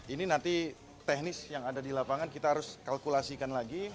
ini nanti teknis yang ada di lapangan kita harus kalkulasikan lagi